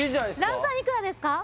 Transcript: ランタンいくらですか？